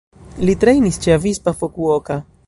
Li trejnis ĉe Avispa Fukuoka.